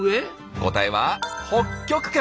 答えは北極圏！